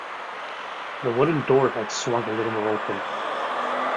The wooden door had swung a little more open.